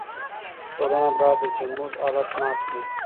ټولنه بايد د جمود حالت مات کړي.